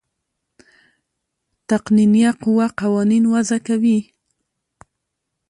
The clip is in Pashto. تقنینیه قوه قوانین وضع کوي.